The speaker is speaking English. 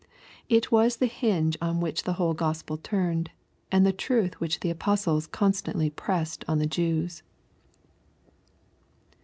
It was the hinge on which the whole Gospel turned, and the truth which the apostles con stantly pressed on the Jews.